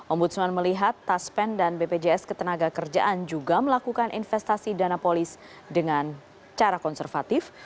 ombudsman melihat taspen dan bpjs ketenaga kerjaan juga melakukan investasi dana polis dengan cara konservatif